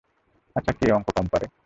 আচ্ছা, কে অংক কম পারে?